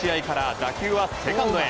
打球はセカンドへ。